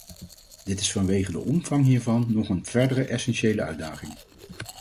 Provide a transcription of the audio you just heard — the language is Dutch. Dit is vanwege de omvang hiervan nog een verdere essentiële uitdaging.